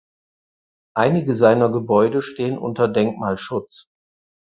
Einige seiner Gebäude stehen unter Denkmalschutz.